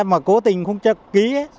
mà cố tình không cho ký